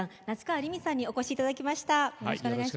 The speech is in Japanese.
夏川りみさんにお越しいただきました。